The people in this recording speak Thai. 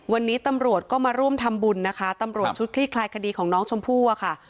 วันนี้ตำรวจก็มาร่วมทำบุญนะคะตำรวจชุดคลี่คลายคดีของน้องชมพู่อะค่ะ